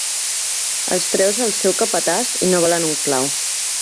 Els treus al seu capatàs i no valen un clau.